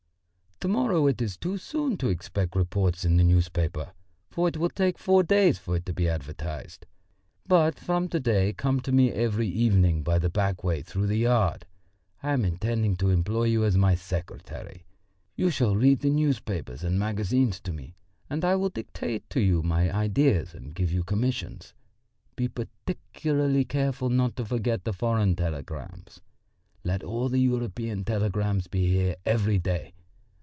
"To morrow it is too soon to expect reports in the newspapers, for it will take four days for it to be advertised. But from to day come to me every evening by the back way through the yard. I am intending to employ you as my secretary. You shall read the newspapers and magazines to me, and I will dictate to you my ideas and give you commissions. Be particularly careful not to forget the foreign telegrams. Let all the European telegrams be here every day.